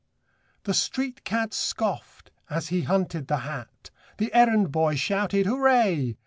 The street cad scoffed as he hunted the hat, The errand boy shouted hooray!